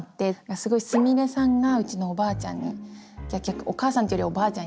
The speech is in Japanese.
すごいすみれさんがうちのおばあちゃんにお母さんというよりはおばあちゃんに似てて。